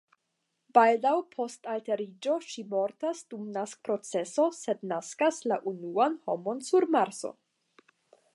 Baldaŭ post alteriĝo ŝi mortas dum naskproceso sed naskas la unuan homon sur Marso.